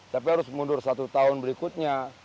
tapi harus mundur satu tahun berikutnya